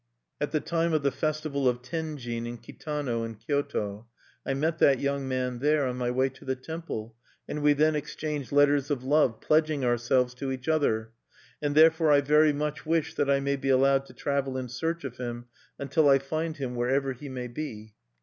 "At the time of the festival of Tenjin at Kitano in Kyoto, I met that young man there, on my way to the temple; and we then exchanged letters of love, pledging ourselves to each other. "And therefore I very much wish that I may be allowed to travel in search of him, until I find him, wherever he may be."